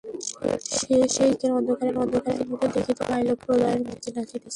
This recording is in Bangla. সে সেই চারিদিকের অন্ধকারের মধ্যে দেখিতে পাইল, প্রলয়ের মুর্তি নাচিতেছে!